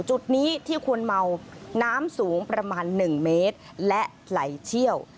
จุดนี้ที่ควรเมาน้ำสูงประมาณ๑เมตรและไหลเชี่ยว